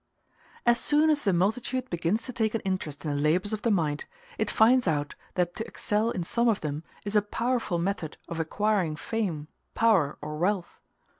As soon as the multitude begins to take an interest in the labors of the mind, it finds out that to excel in some of them is a powerful method of acquiring fame, power, or wealth.